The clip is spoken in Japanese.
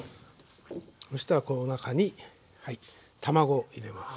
そうしたらこの中にはい卵を入れます。